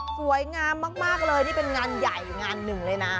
สวยงามมากเลยนี่เป็นงานใหญ่งานหนึ่งเลยนะ